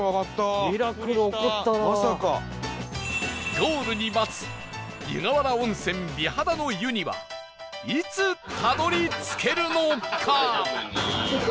ゴールに待つ湯河原温泉美肌の湯にはいつたどり着けるのか？